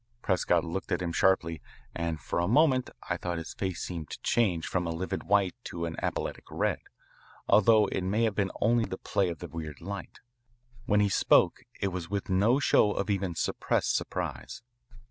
Prescott looked at him sharply, and for a moment I thought his face seemed to change from a livid white to an apoplectic red, although it may have been only the play of the weird light. When he spoke it was with no show of even suppressed surprise.